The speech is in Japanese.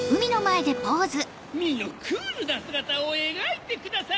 ⁉ミーのクールなすがたをえがいてください！